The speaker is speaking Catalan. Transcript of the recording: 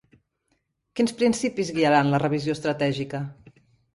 Quins principis guiaran la revisió estratègica?